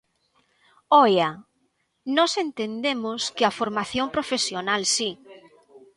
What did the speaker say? ¡Oia!, nós entendemos que a formación profesional si.